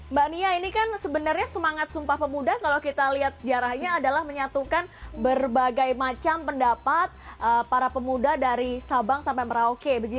mbak nia ini kan sebenarnya semangat sumpah pemuda kalau kita lihat sejarahnya adalah menyatukan berbagai macam pendapat para pemuda dari sabang sampai merauke